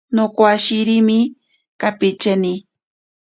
Nokowashirimi kapicheni.